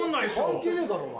関係ねえだろお前。